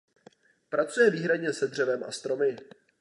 Pracuje výhradně se dřevem a stromy.